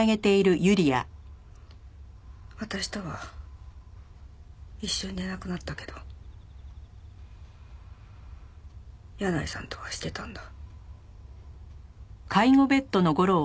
私とは一緒に寝なくなったけど箭内さんとはしてたんだ。